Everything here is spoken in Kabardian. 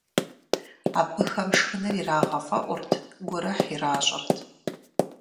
Абыхэм шхыныр ирагъэфӀэӀурт, гурыхь иращӀырт.